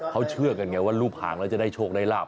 เขาเชื่อกันไงว่ารูปหางแล้วจะได้โชคได้ลาบ